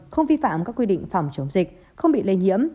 không vi phạm các quy định phòng chống dịch không bị lây nhiễm